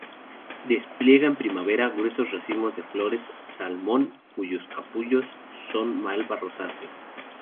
Despliega en primavera gruesos racimos de flores salmón, cuyos capullos son malva rosáceo.